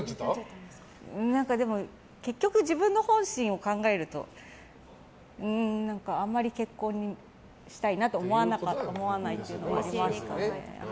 でも、結局自分の本心を考えるとあんまり結婚したいなと思わないという感じもあって。